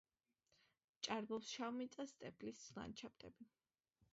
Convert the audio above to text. ჭარბობს შავმიწა სტეპის ლანდშაფტები.